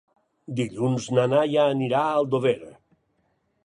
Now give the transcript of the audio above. Dilluns na Laia anirà a Aldover.